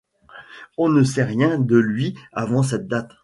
On ne sait rien de lui avant cette date.